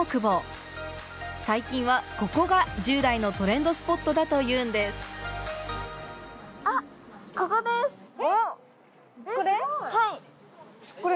最近はここが十代のトレンドスポットだというんですこれ？